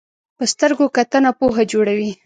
په سترګو کتنه پوهه جوړوي